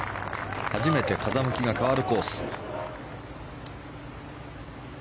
初めて風向きが変わるコース。